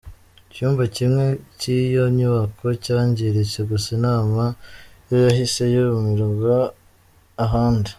Icyumba kimwe cy’iyo nyubako cyangiritse gusa inama yo yahise yimurirwa ahandi.